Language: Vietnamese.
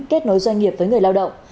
kết nối doanh nghiệp với người lao động